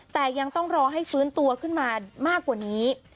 แต่ยังต้องรอให้ฟื้นตัวขึ้นมามากกว่านี้